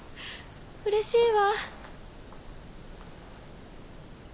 うれしいわ！